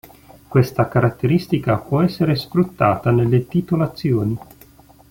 Questa caratteristica può essere sfruttata nelle titolazioni.